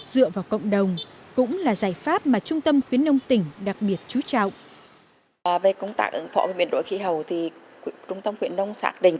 dựa vào cộng đồng cũng là giải pháp mà trung tâm khuyến nông tỉnh đặc biệt chú trọng